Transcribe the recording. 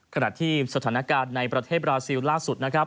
ขณะที่สถานการณ์ในประเทศบราซิลล่าสุดนะครับ